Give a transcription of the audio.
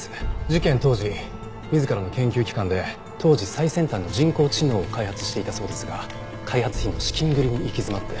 事件当時自らの研究機関で当時最先端の人工知能を開発していたそうですが開発費の資金繰りに行き詰まって。